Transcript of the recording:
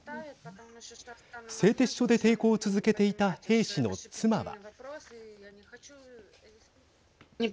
製鉄所で抵抗を続けていた兵士の妻は。